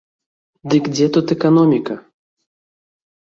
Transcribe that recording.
Дык дзе тут эканоміка?